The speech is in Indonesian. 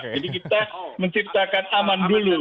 jadi kita menciptakan aman dulu